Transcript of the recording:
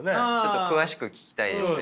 詳しく聞きたいですね。